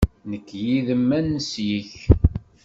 Nekk yid-m ad neslek.